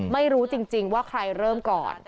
ไม่รู้จริงว่าใครเริ่มก่อน